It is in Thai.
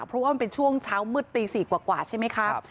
เพราะว่ามันเป็นช่วงเช้ามืดตี๔กว่าใช่ไหมคะ